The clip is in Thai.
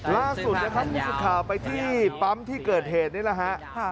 ล่าสุดครับมิสุทธิ์ข่าวไปที่ปั๊มที่เกิดเหตุนี้ล่ะฮะ